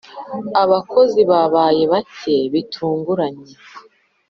abakozi babaye bake bitunguranye